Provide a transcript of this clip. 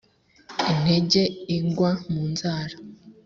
intege igwa mu nzara